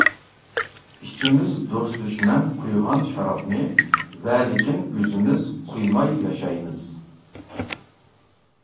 ئىچىمىز دوست-دۈشمەن قۇيغان شارابنى، ۋەلىكىن ئۆزىمىز قۇيماي ياشايمىز.